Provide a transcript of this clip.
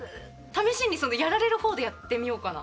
試しにやられるほうでやってみようかな。